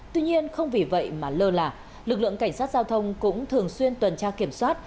tuy nhiên không vì vậy mà lơ là lực lượng cảnh sát giao thông cũng thường xuyên tuần tra kiểm soát